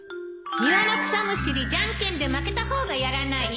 庭の草むしりじゃんけんで負けた方がやらない？